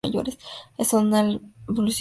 El son una raza evolucionada de reptiles.